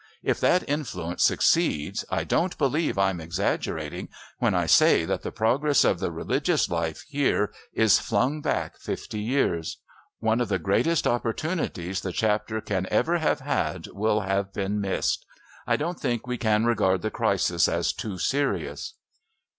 If that influence succeeds I don't believe I'm exaggerating when I say that the progress of the religious life here is flung back fifty years. One of the greatest opportunities the Chapter can ever have had will have been missed. I don't think we can regard the crisis as too serious."